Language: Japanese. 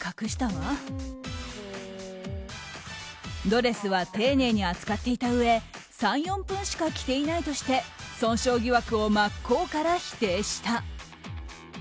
ドレスは丁寧に扱っていたうえ３４分しか着ていないとして損傷疑惑を真っ向から否定した。